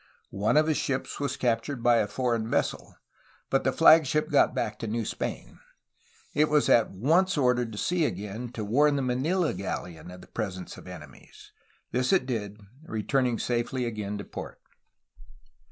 One of his ships was captured by a foreign vessel, but the flagship got back to New Spain. It was at once ordered to sea again to warn the Manila galleon of the presence of enemies. This it did, returning safely again to port.